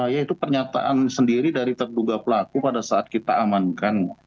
yaitu pernyataan sendiri dari terduga pelaku pada saat kita amankan